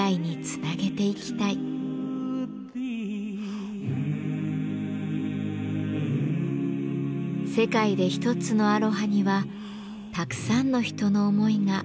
世界で一つのアロハにはたくさんの人の思いが込められています。